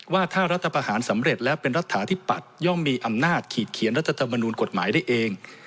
ว่าถ้ารัฐประหารสำเร็จและเป็นรัฐาธิปัตย่อมมีอำนาจขีดเขียนรัฐธรรมนูลกฎหมายได้เอง